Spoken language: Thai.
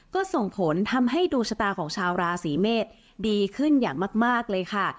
ก็ส่งผลทำให้ดวงชะตาของชาวราศีเมษดีขึ้นอย่างมากเลยค่ะ